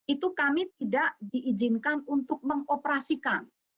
itu kami tidak diizinkan untuk mengoperasikan